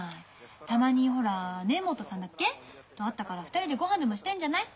たまにほら根本さんだっけ？と会ったから２人でごはんでもしてんじゃない？